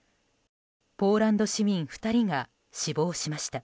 ポーランド市民２人が死亡しました。